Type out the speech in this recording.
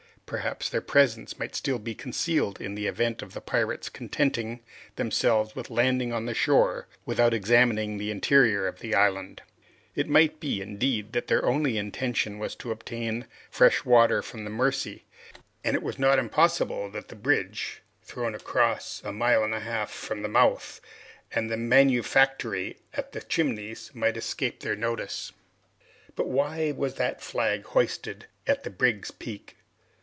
Perhaps their presence might still be concealed in the event of the pirates contenting themselves with landing on the shore without examining the interior of the island. It might be, indeed, that their only intention was to obtain fresh water from the Mercy, and it was not impossible that the bridge, thrown across a mile and a half from the mouth, and the manufactory at the Chimneys might escape their notice. But why was that flag hoisted at the brig's peak?